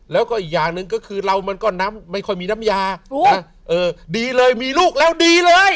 แล้วก็อีกอย่างหนึ่งก็คือเรามันก็น้ำไม่ค่อยมีน้ำยาดีเลยมีลูกแล้วดีเลย